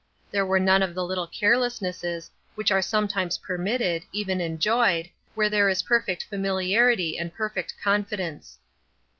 There were none of the little carelessnesses which are sometimes permitted, even enjoyed, where there is perfect familiarity and perfect confidence.